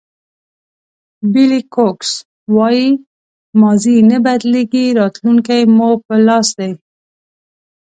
بېلي کوکس وایي ماضي نه بدلېږي راتلونکی مو په لاس دی.